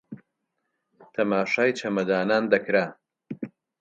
تەماشای چەمەدانان دەکرا